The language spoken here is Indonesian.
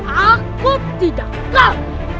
aku tidak kaget